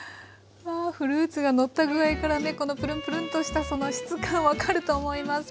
わあフルーツがのった具合からねこのプルンプルンとしたその質感分かると思います。